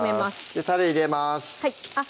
たれ入れますあっ